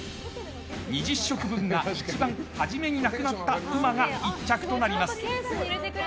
２０食分が一番初めになくなったうまが１着となります。